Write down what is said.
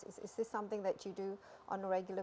adakah ini sesuatu yang anda lakukan secara regular